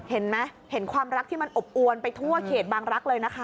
เห็นไหมเห็นความรักที่มันอบอวนไปทั่วเขตบางรักษ์เลยนะคะ